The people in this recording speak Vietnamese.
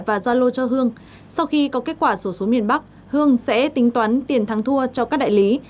và gia lô cho hương sau khi có kết quả số số miền bắc hương sẽ tính toán tiền thắng thua cho các đại lý